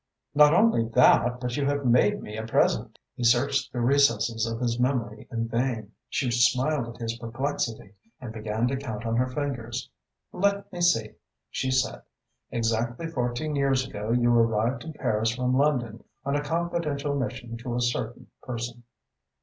"Not only that but you have made me a present." He searched the recesses of his memory in vain. She smiled at his perplexity and began to count on her fingers. "Let me see," she said, "exactly fourteen years ago you arrived in Paris from London on a confidential mission to a certain person."